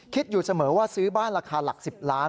คิดอยู่เสมอว่าซื้อบ้านราคาหลัก๑๐ล้าน